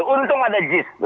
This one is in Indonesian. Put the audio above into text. untung ada jis itu